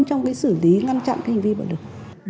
trong xử lý ngăn chặn hành vi bạo lực